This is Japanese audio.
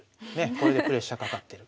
これでプレッシャーかかってる。